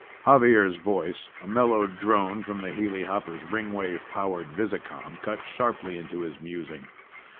Xavier's voice, a mellow drone from the helihopper's Ringwave powered visicom, cut sharply into his musing.